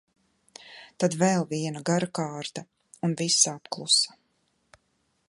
Tad vēl viena gara kārta un viss apklusa.